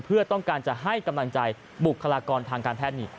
เพื่อต้องการจะให้กำลังใจบุคลากรทางการแพทย์นี่